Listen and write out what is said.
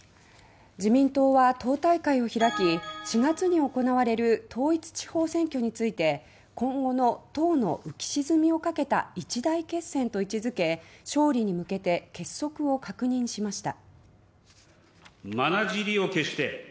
自民党は党大会を開き４月に行われる統一地方選挙について今後の党の浮き沈みをかけた一大決戦と位置づけ勝利に向けて結束を確認しました。